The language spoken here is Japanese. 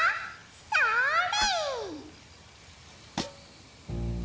それ！